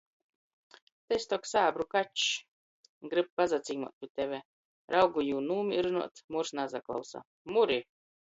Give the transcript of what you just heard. Tys tok sābru kačs. Gryb pasacīmuot pi teve! raugu jū nūmīrynuot. Murs nasaklausa. Muri!